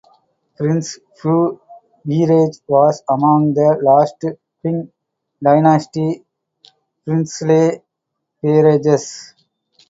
Prince Fu peerage was among the last Qing dynasty princely peerages.